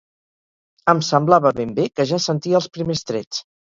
Em semblava ben bé que ja sentia els primers trets